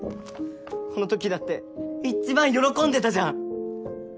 この時だって一番喜んでたじゃん！